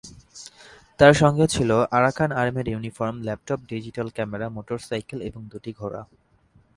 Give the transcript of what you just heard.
তার সঙ্গে ছিলো আরাকান আর্মির uniform, laptop, digital camera, motorcycle এবং দুটি ঘোড়া।